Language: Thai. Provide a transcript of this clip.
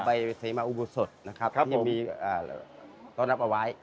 ใบเสมาอุโบสถนะครับที่ยังมีต้อนรับเอาไว้